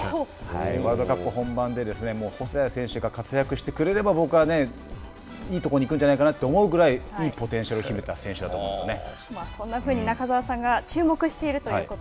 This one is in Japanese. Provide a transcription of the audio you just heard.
ワールドカップ本番で細谷選手が活躍してくれれば僕はねいいとこに行くんじゃないかなと思うぐらいいいポテンシャルを秘めた選手だと思うんですよね。